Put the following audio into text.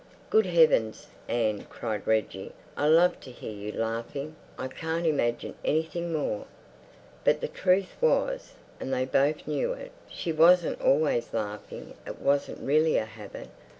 "Good heavens, Anne," cried Reggie, "I love to hear you laughing! I can't imagine anything more—" But the truth was, and they both knew it, she wasn't always laughing; it wasn't really a habit.